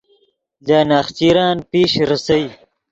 لے نخچرن پیش ریسئے